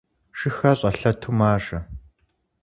Шыхэр щӀэлъэту мажэ.